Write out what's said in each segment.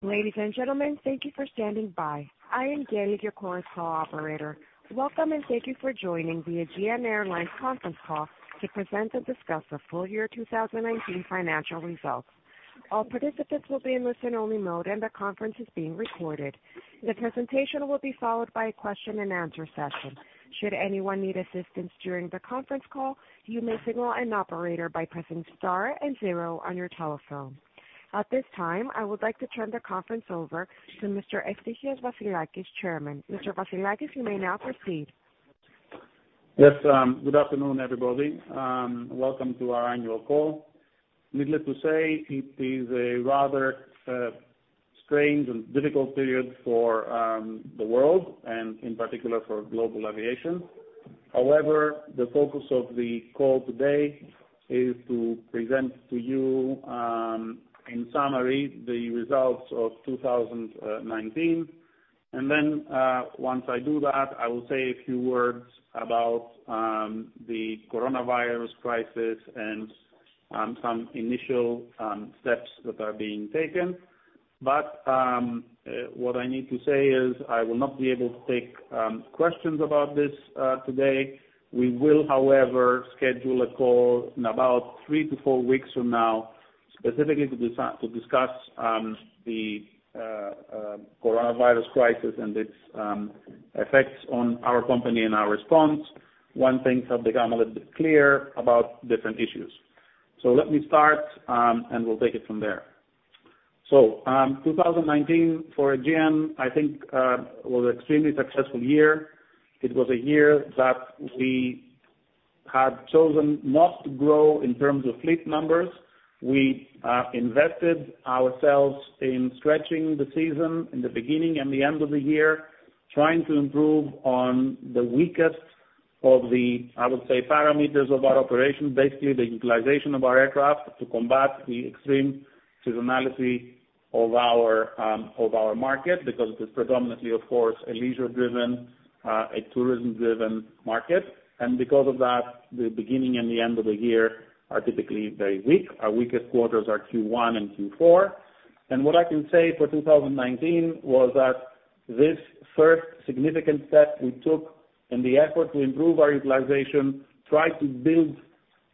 Ladies and gentlemen, thank you for standing by. I am Gabby, your conference call operator. Welcome, and thank you for joining the Aegean Airlines conference call to present and discuss the full year 2019 financial results. All participants will be in listen-only mode, and the conference is being recorded. The presentation will be followed by a question-and-answer session. Should anyone need assistance during the conference call, you may signal an operator by pressing star and zero on your telephone. At this time, I would like to turn the conference over to Mr. Eftichios Vassilakis, chairman. Mr. Vassilakis, you may now proceed. Yes, good afternoon, everybody. Welcome to our annual call. Needless to say, it is a rather strange and difficult period for the world and in particular for global aviation. The focus of the call today is to present to you, in summary, the results of 2019. Once I do that, I will say a few words about the coronavirus crisis and some initial steps that are being taken. What I need to say is I will not be able to take questions about this today. We will, however, schedule a call in about three to four weeks from now, specifically to discuss the coronavirus crisis and its effects on our company and our response when things have become a little bit clear about different issues. Let me start, and we'll take it from there. 2019 for Aegean, I think, was extremely successful year. It was a year that we had chosen not to grow in terms of fleet numbers. We invested ourselves in stretching the season in the beginning and the end of the year, trying to improve on the weakest of the, I would say, parameters of our operation, basically the utilization of our aircraft to combat the extreme seasonality of our market because it is predominantly, of course, a leisure driven, a tourism driven market. Because of that, the beginning and the end of the year are typically very weak. Our weakest quarters are Q1 and Q4. What I can say for 2019 was that this first significant step we took in the effort to improve our utilization, try to build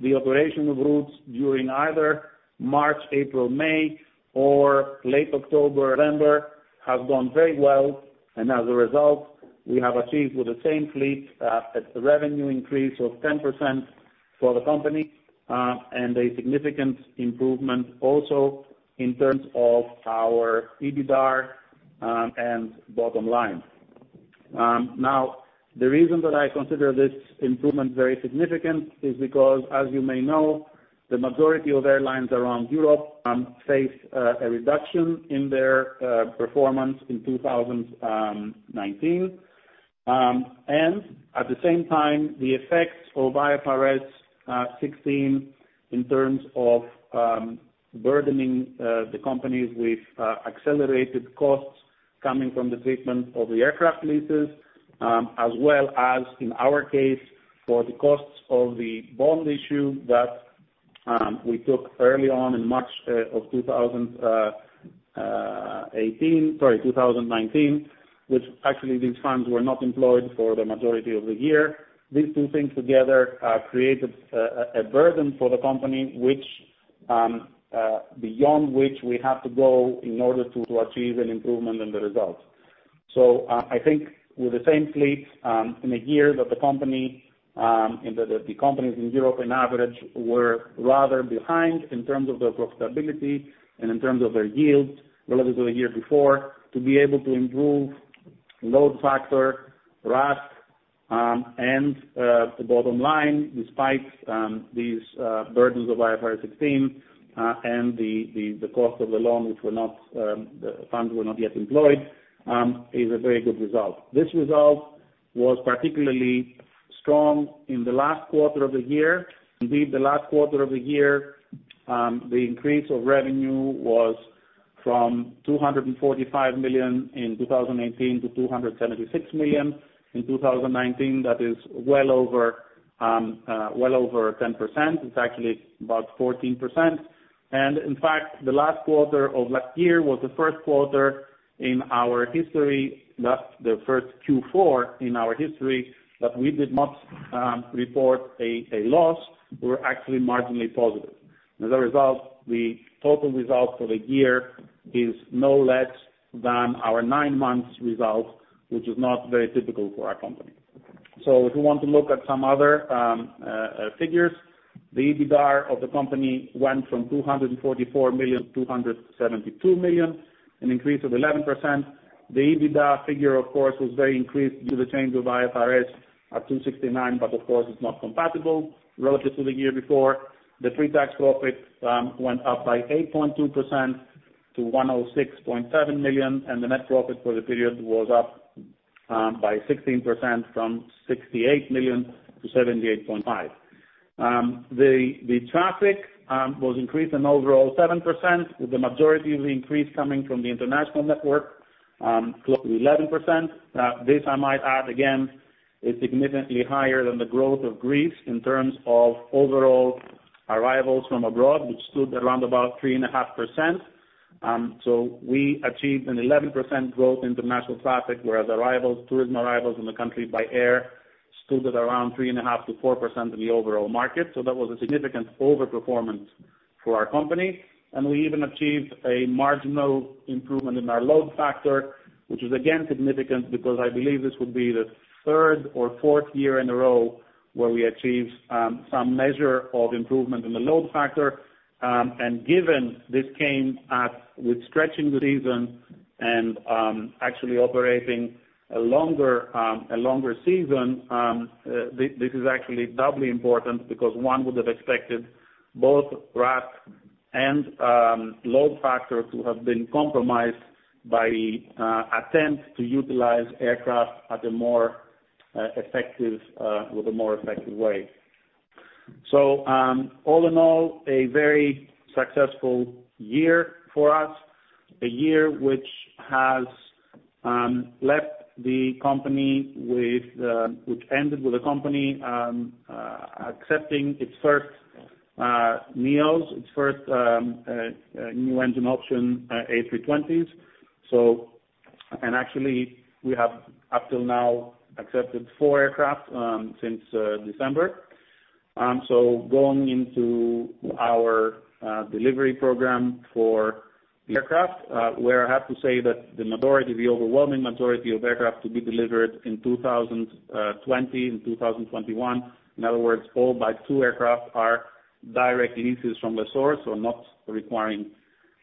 the operation of routes during either March, April, May, or late October, November, have gone very well. As a result, we have achieved with the same fleet a revenue increase of 10% for the company, and a significant improvement also in terms of our EBITDAR and bottom line. Now, the reason that I consider this improvement very significant is because, as you may know, the majority of airlines around Europe face a reduction in their performance in 2019. At the same time, the effects of IFRS 16 in terms of burdening the companies with accelerated costs coming from the treatment of the aircraft leases, as well as in our case, for the costs of the bond issue that we took early on in March of 2018, sorry, 2019, which actually these funds were not employed for the majority of the year. These two things together created a burden for the company, beyond which we have to go in order to achieve an improvement in the results. I think with the same fleet in a year that the companies in Europe on average were rather behind in terms of their profitability and in terms of their yields relative to the year before, to be able to improve load factor, RASK, and the bottom line despite these burdens of IFRS 16 and the cost of the loan, which the funds were not yet employed, is a very good result. This result was particularly strong in the last quarter of the year. Indeed, the last quarter of the year the increase of revenue was from 245 million in 2018 to 276 million in 2019. That is well over 10%. It's actually about 14%. In fact, the last quarter of last year was the first quarter in our history that the first Q4 in our history that we did not report a loss. We're actually marginally positive. As a result, the total result for the year is no less than our nine months result, which is not very typical for our company. If you want to look at some other figures, the EBITDAR of the company went from 244 million to 272 million, an increase of 11%. The EBITDA figure, of course, was very increased due to change of IFRS 16 at 269 million, but of course is not compatible relative to the year before. The pre-tax profit went up by 8.2% to 106.7 million, and the net profit for the period was up by 16% from 68 million to 78.5 million. The traffic was increased in overall 7% with the majority of the increase coming from the international network close to 11%. This, I might add again, is significantly higher than the growth of Greece in terms of overall arrivals from abroad, which stood around about 3.5%. We achieved an 11% growth in domestic traffic, whereas tourism arrivals in the country by air stood at around 3.5%-4% in the overall market. That was a significant over-performance for our company. We even achieved a marginal improvement in our load factor, which is again significant because I believe this would be the third or fourth year in a row where we achieved some measure of improvement in the load factor. Given this came with stretching the season and actually operating a longer season, this is actually doubly important because one would have expected both RASK and load factors to have been compromised by the attempt to utilize aircraft with a more effective way. All in all, a very successful year for us. A year which ended with the company accepting its first NEOs, its first new engine option, A320s. Actually we have up till now accepted four aircraft since December. Going into our delivery program for the aircraft, where I have to say that the overwhelming majority of aircraft to be delivered in 2020 and 2021, in other words, all but two aircraft are direct leases from the source, so not requiring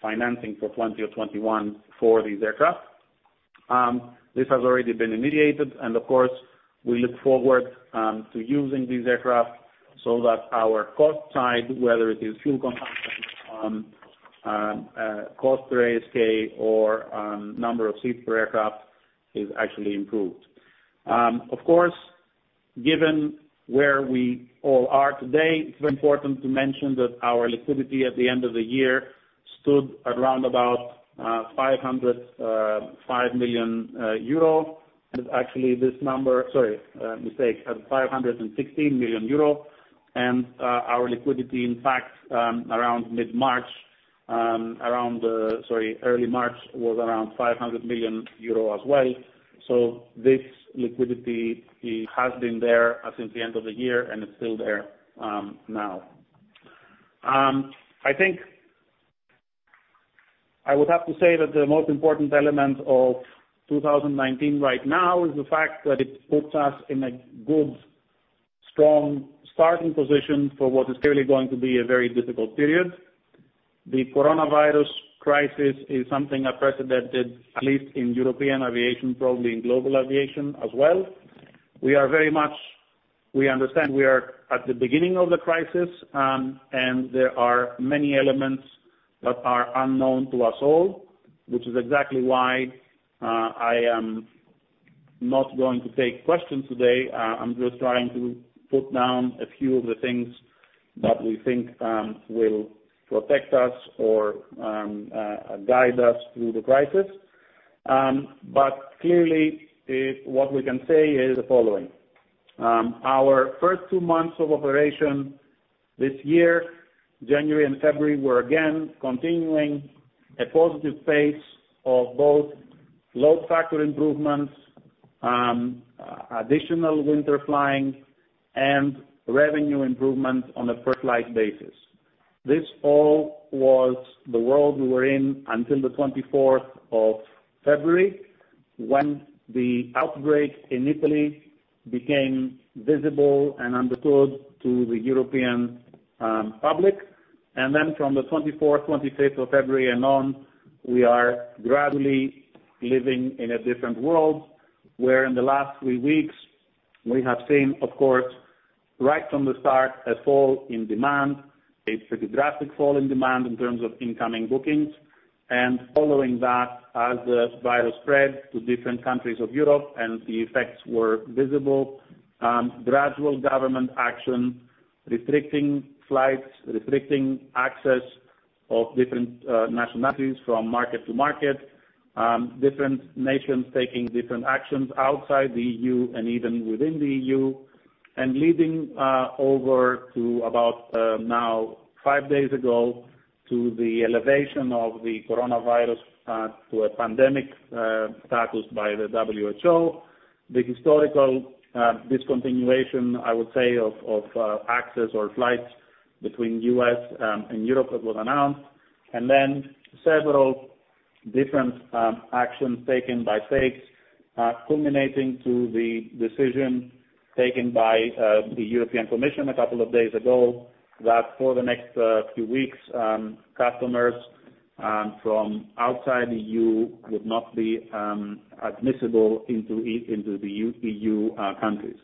financing for 2020 or 2021 for these aircraft. This has already been remediated, and of course, we look forward to using these aircraft so that our cost side, whether it is fuel consumption, cost per ASK or number of seats per aircraft, is actually improved. Of course, given where we all are today, it's very important to mention that our liquidity at the end of the year stood around about 505 million euro. Actually, at 516 million euro. Our liquidity, in fact, around early March, was around 500 million euro as well. This liquidity has been there since the end of the year and it's still there now. I think I would have to say that the most important element of 2019 right now is the fact that it puts us in a good, strong starting position for what is clearly going to be a very difficult period. The coronavirus crisis is something unprecedented, at least in European aviation, probably in global aviation as well. We understand we are at the beginning of the crisis. There are many elements that are unknown to us all, which is exactly why I am not going to take questions today. I'm just trying to put down a few of the things that we think will protect us or guide us through the crisis. Clearly, what we can say is the following. Our first two months of operation this year, January and February, were again continuing a positive pace of both load factor improvements, additional winter flying, and revenue improvement on a per flight basis. This all was the world we were in until the 24th of February, when the outbreak in Italy became visible and understood to the European public. Then from the 24th, 25th of February and on, we are gradually living in a different world, where in the last three weeks we have seen, of course, right from the start, a fall in demand, a pretty drastic fall in demand in terms of incoming bookings. Following that, as the virus spread to different countries of Europe and the effects were visible, gradual government action restricting flights, restricting access of different nationalities from market to market, different nations taking different actions outside the EU and even within the EU. Leading over to about now five days ago, to the elevation of the coronavirus to a pandemic status by the WHO. The historical discontinuation, I would say, of access or flights between U.S. and Europe that was announced, and then several different actions taken by states, culminating to the decision taken by the European Commission a couple of days ago that for the next few weeks, customers from outside the EU would not be admissible into the EU countries.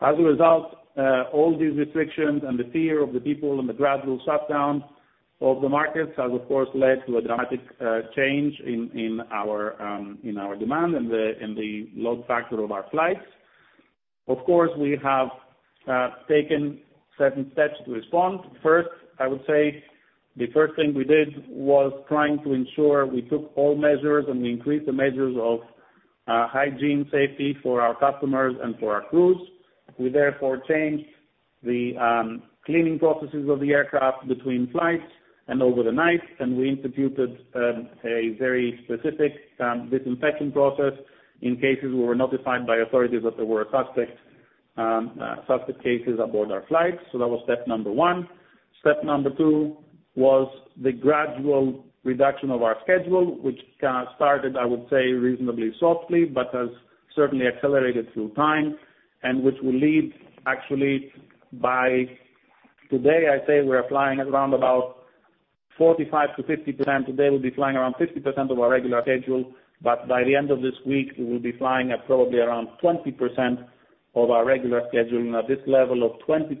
All these restrictions and the fear of the people and the gradual shutdown of the markets has, of course, led to a dramatic change in our demand and the load factor of our flights. Of course, we have taken certain steps to respond. First, I would say the first thing we did was trying to ensure we took all measures, and we increased the measures of hygiene safety for our customers and for our crews. We therefore changed the cleaning processes of the aircraft between flights and over the night, and we instituted a very specific disinfection process in cases we were notified by authorities that there were suspect cases aboard our flights. That was step number 1. Step number 2 was the gradual reduction of our schedule, which started, I would say, reasonably softly but has certainly accelerated through time, and which will lead actually by today, I'd say we're flying at around about 45%-50%. Today we'll be flying around 50% of our regular schedule, but by the end of this week, we will be flying at probably around 20% of our regular schedule. This level of 20%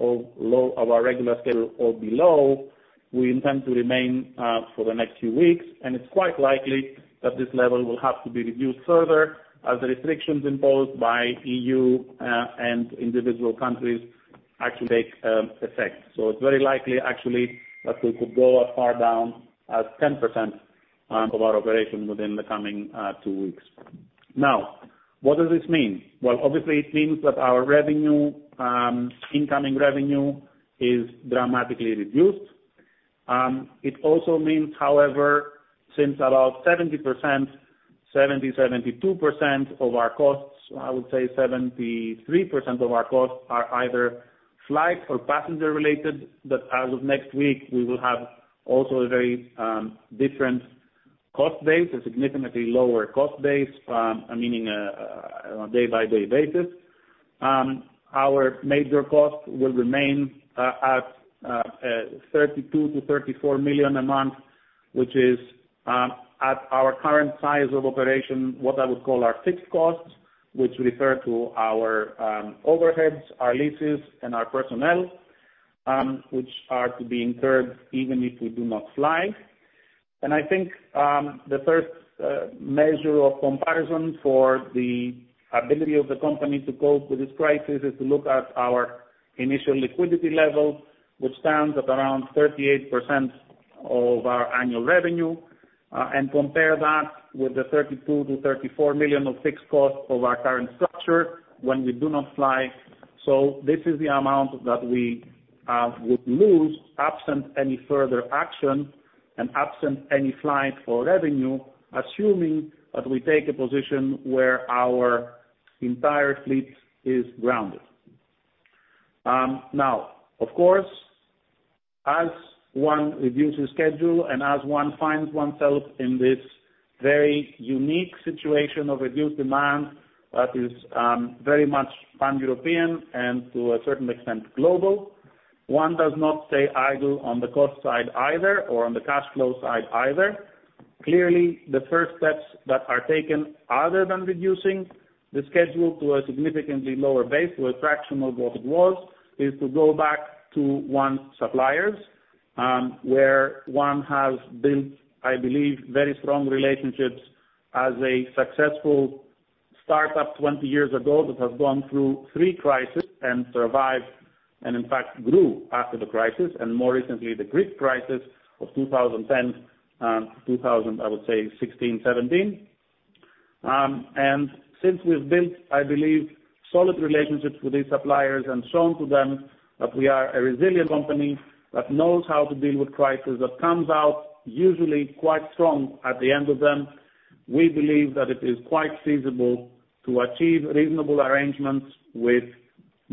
of our regular schedule or below, we intend to remain for the next few weeks, and it's quite likely that this level will have to be reduced further as the restrictions imposed by EU and individual countries actually take effect. It's very likely actually that we could go as far down as 10% of our operation within the coming two weeks. What does this mean? Well, obviously it means that our incoming revenue is dramatically reduced. It also means, however, since about 70%, 72% of our costs, I would say 73% of our costs are either flight or passenger related, that as of next week, we will have also a very different cost base, a significantly lower cost base, meaning on a day-by-day basis. Our major costs will remain at 32 million-34 million a month, which is at our current size of operation, what I would call our fixed costs, which refer to our overheads, our leases, and our personnel, which are to be incurred even if we do not fly. I think the first measure of comparison for the ability of the company to cope with this crisis is to look at our initial liquidity level, which stands at around 38% of our annual revenue, and compare that with the 32 million-34 million of fixed costs of our current structure when we do not fly. This is the amount that we would lose absent any further action and absent any flight for revenue, assuming that we take a position where our entire fleet is grounded. Now, of course, as one reduces schedule and as one finds oneself in this very unique situation of reduced demand that is very much pan-European and to a certain extent, global, one does not stay idle on the cost side either or on the cash flow side either. Clearly, the first steps that are taken other than reducing the schedule to a significantly lower base to a fraction of what it was, is to go back to one's suppliers, where one has built, I believe, very strong relationships as a successful startup 20 years ago that has gone through three crises and survived, and in fact grew after the crisis, and more recently, the Greek crisis of 2010 and 2000, I would say 2016, 2017. Since we've built, I believe, solid relationships with these suppliers and shown to them that we are a resilient company that knows how to deal with crises, that comes out usually quite strong at the end of them, we believe that it is quite feasible to achieve reasonable arrangements with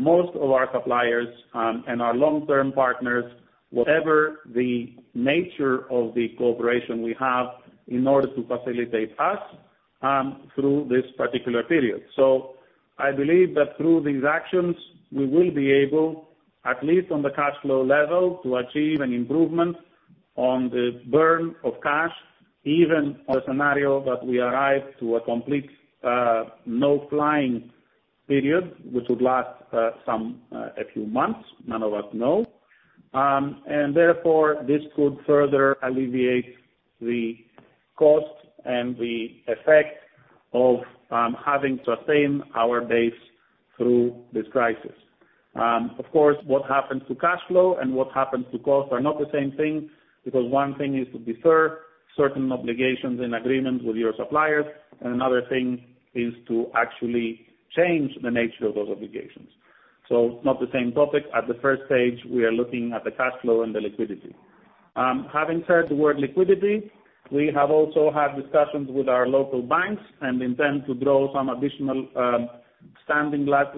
most of our suppliers and our long-term partners, whatever the nature of the cooperation we have, in order to facilitate us through this particular period. I believe that through these actions, we will be able, at least on the cash flow level, to achieve an improvement on the burn of cash, even a scenario that we arrive to a complete no-flying period, which would last a few months, none of us know. This could further alleviate the cost and the effect of having to sustain our base through this crisis. Of course, what happens to cash flow and what happens to cost are not the same thing, because one thing is to defer certain obligations and agreements with your suppliers, and another thing is to actually change the nature of those obligations. Not the same topic. At the 1st stage, we are looking at the cash flow and the liquidity. Having said the word liquidity, we have also had discussions with our local banks and intend to draw some additional standing lines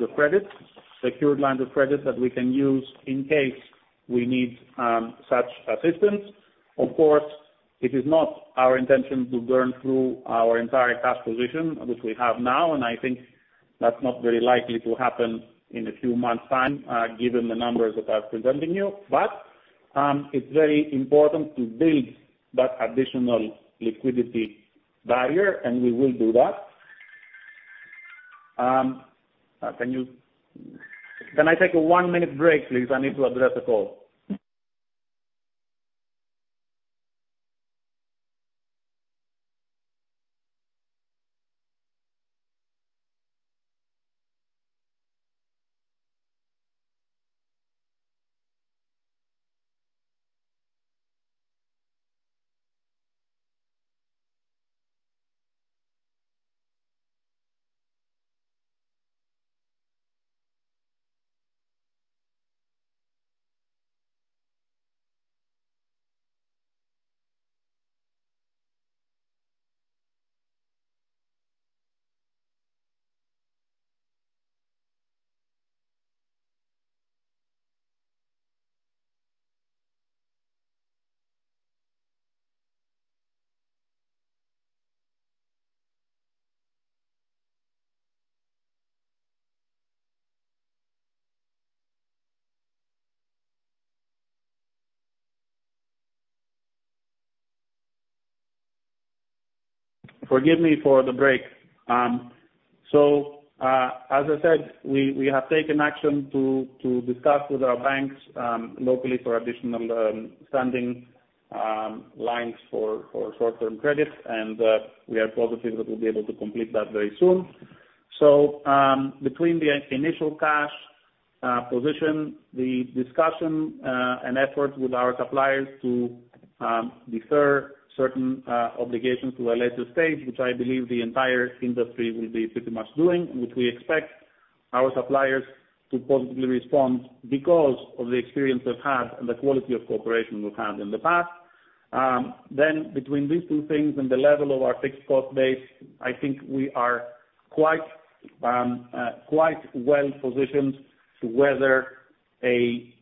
of credit, secured lines of credit that we can use in case we need such assistance. Of course, it is not our intention to burn through our entire cash position, which we have now, and I think that's not very likely to happen in a few months' time given the numbers that I'm presenting you. It's very important to build that additional liquidity barrier, and we will do that. Can I take a one-minute break, please? I need to address a call. Forgive me for the break. As I said, we have taken action to discuss with our banks locally for additional standing lines for short-term credit, and we are positive that we'll be able to complete that very soon. Between the initial cash position, the discussion, and efforts with our suppliers to defer certain obligations to a later stage, which I believe the entire industry will be pretty much doing, and which we expect our suppliers to positively respond because of the experience we've had and the quality of cooperation we've had in the past. Between these two things and the level of our fixed cost base, I think we are quite well-positioned to weather a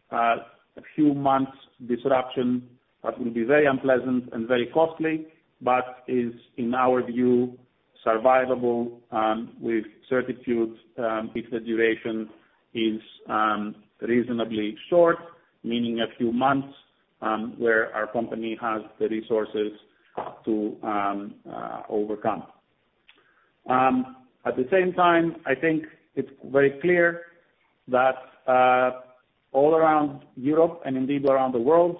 few months disruption that will be very unpleasant and very costly, but is, in our view, survivable with certitude if the duration is reasonably short, meaning a few months where our company has the resources to overcome. At the same time, I think it's very clear that all around Europe and indeed around the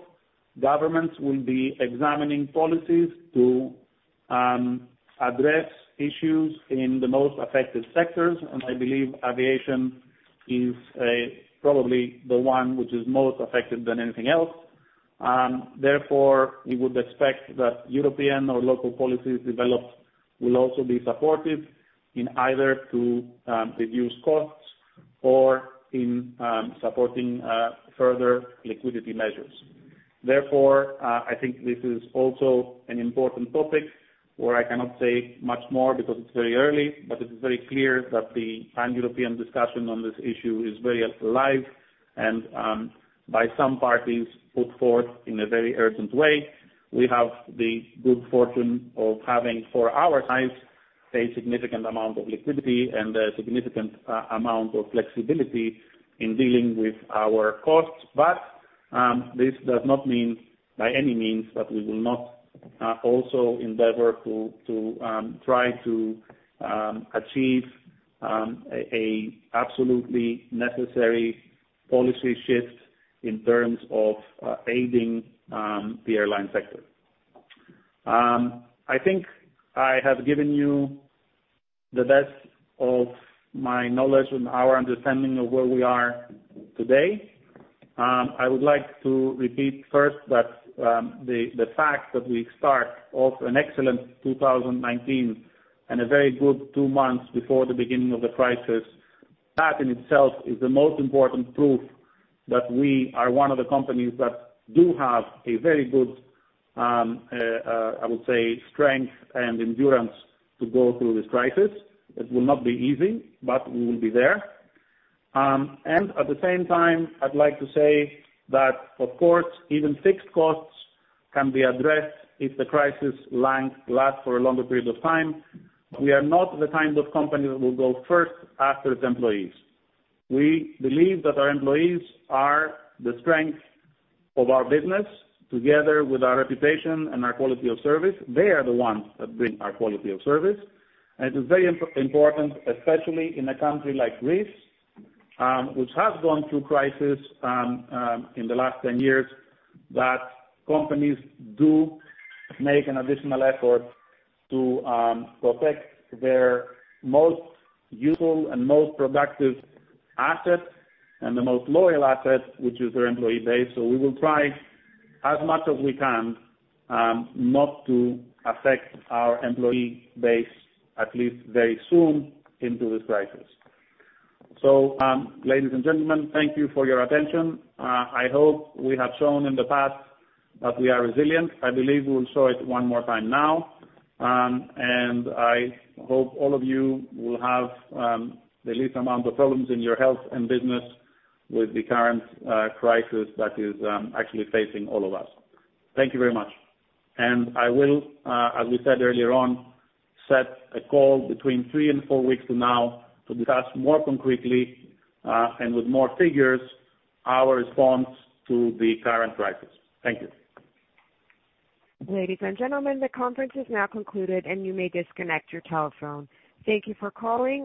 world, governments will be examining policies to address issues in the most affected sectors, and I believe aviation is probably the one which is most affected than anything else. We would expect that European or local policies developed will also be supportive in either to reduce costs or in supporting further liquidity measures. Therefore, I think this is also an important topic where I cannot say much more because it's very early, but it's very clear that the pan-European discussion on this issue is very alive and by some parties put forth in a very urgent way. We have the good fortune of having, for our size, a significant amount of liquidity and a significant amount of flexibility in dealing with our costs. This does not mean, by any means, that we will not also endeavor to try to achieve a absolutely necessary policy shift in terms of aiding the airline sector. I think I have given you the best of my knowledge and our understanding of where we are today. I would like to repeat first that the fact that we start off an excellent 2019 and a very good two months before the beginning of the crisis, that in itself is the most important proof that we are one of the companies that do have a very good, I would say, strength and endurance to go through this crisis. It will not be easy, but we will be there. At the same time, I'd like to say that, of course, even fixed costs can be addressed if the crisis lasts for a longer period of time. We are not the kind of company that will go first after its employees. We believe that our employees are the strength of our business, together with our reputation and our quality of service. They are the ones that bring our quality of service. It is very important, especially in a country like Greece, which has gone through crisis in the last 10 years, that companies do make an additional effort to protect their most useful and most productive asset and the most loyal asset, which is their employee base. We will try as much as we can not to affect our employee base, at least very soon into this crisis. Ladies and gentlemen, thank you for your attention. I hope we have shown in the past that we are resilient. I believe we will show it one more time now. I hope all of you will have the least amount of problems in your health and business with the current crisis that is actually facing all of us. Thank you very much. I will, as we said earlier on, set a call between three and four weeks from now to discuss more concretely, and with more figures, our response to the current crisis. Thank you. Ladies and gentlemen, the conference is now concluded, and you may disconnect your telephone. Thank you for calling.